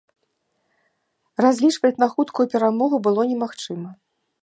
Разлічваць на хуткую перамогу было немагчыма.